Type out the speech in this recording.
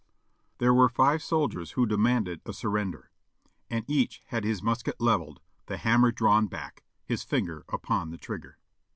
There were five soldiers who demanded a surrender; and each had his musket leveled, the hammer drawn back, his finger upon the trigger.